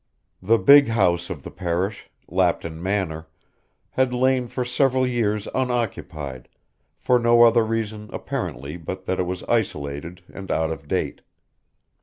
The big house of the parish, Lapton Manor, had lain for several years unoccupied, for no other reason apparently but that it was isolated and out of date.